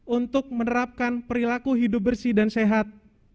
untuk menerapkan perilaku hidup bersih dan sehat